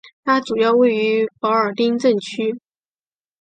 它主要位于保尔丁镇区。